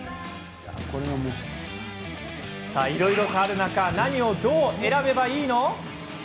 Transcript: いろいろある中何をどう選べばいいの？